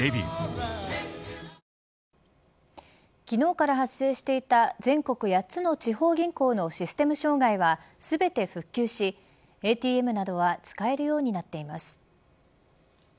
昨日から発生していた全国８つの地方銀行のシステム障害は全て復旧しＡＴＭなどは使えるようになっています。